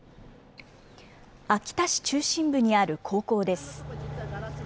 秋田市中心部にある高校です。